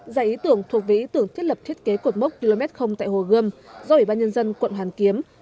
giải ý tưởng thuộc về ý tưởng thiết lập thiết kế cột mốc km tại hồ gươm do ủy ban nhân dân quận hoàn kiếm